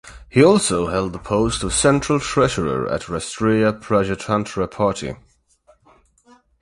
He also held the post of central treasurer at Rastriya Prajatantra Party.